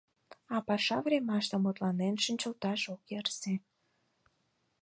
А паша времаште мутланен шинчылташ ок ярсе.